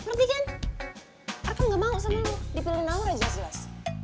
ngerti kan arka gak mau sama lo dipilih naura jelas jelas